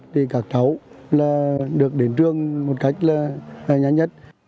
để các cháu được đến trường một cách